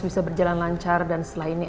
bisa berjalan lancar dan setelah ini